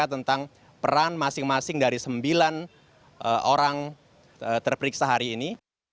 tentang peran masing masing dari sembilan orang terperiksa hari ini